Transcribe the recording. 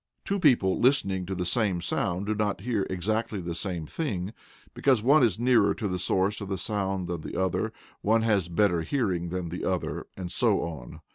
Two people listening to the same sound do not hear exactly the same thing, because one is nearer to the source of the sound than the other, one has better hearing than the other, and so on.